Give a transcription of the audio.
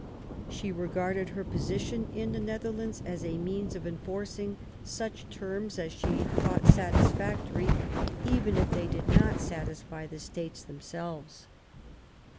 She regarded her position in the Netherlands as a means of enforcing such terms as she thought satis factory, even if they did not satisfy the States themselves.